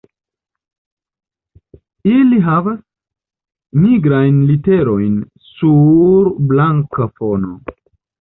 Ili havas nigrajn literojn sur blanka fono.